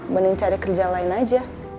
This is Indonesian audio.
mending cari kerja lain aja